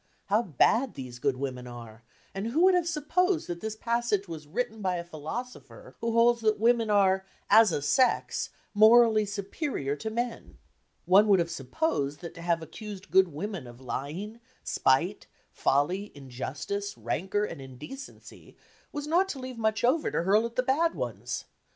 How bad these good women are, and who would have supposed that this passage was written by a philosopher who holds that women are, "as a sex," morally superior to men? One would have supposed that to have accused good women of lying, spite, folly, injustice, rancour and indecency was not to leave much over to hurl at the bad ones.